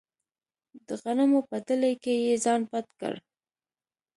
د غنمو په دلۍ کې یې ځان پټ کړ.